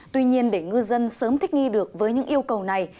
tuy nhiên để ngư dân sớm thích nghi được với những yêu cầu này